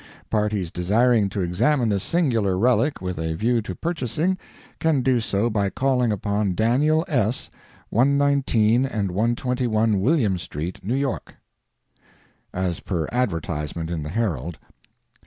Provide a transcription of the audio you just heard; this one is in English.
Parties desiring to examine this singular relic with a view to purchasing, can do so by calling upon Daniel S., 119 and 121 William street, New York." As per advertisement in the "Herald."